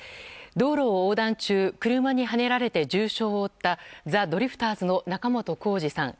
道路を横断中車にはねられて重傷を負ったザ・ドリフターズの仲本工事さん。